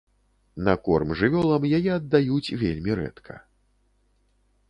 На корм жывёлам яе аддаюць вельмі рэдка.